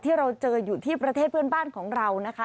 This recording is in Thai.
ที่เราเจออยู่ที่ประเทศเพื่อนบ้านของเรานะคะ